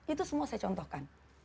itu semua saya contohkan